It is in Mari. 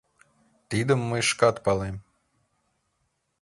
— Тидым мый шкат палем.